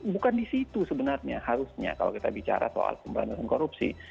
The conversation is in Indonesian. bukan disitu sebenarnya harusnya kalau kita bicara soal pembahasan korupsi